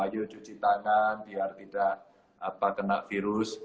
ayo cuci tangan biar tidak kena virus